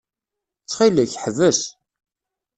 Ttxil-k, ḥbes.